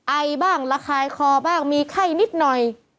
ไอบ้างระคายคอบ้างมีไข้นิดหน่อย